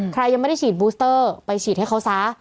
ใครยังไม่ได้ฉีดบูสเตอร์ไปฉีดให้เขาซะ